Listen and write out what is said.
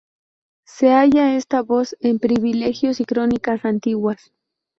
Se halla esta voz en privilegios y crónicas antiguas.